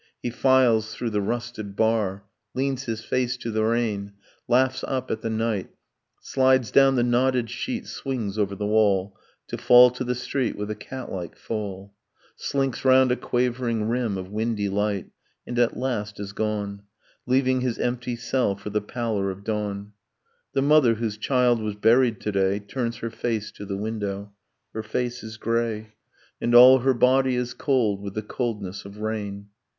He files through the rusted bar, Leans his face to the rain, laughs up at the night, Slides down the knotted sheet, swings over the wall, To fall to the street with a cat like fall, Slinks round a quavering rim of windy light, And at last is gone, Leaving his empty cell for the pallor of dawn ... The mother whose child was buried to day Turns her face to the window; her face is grey; And all her body is cold with the coldness of rain.